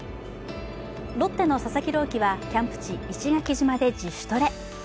ロッテの佐々木朗希はキャンプ地・石垣島で自主トレ。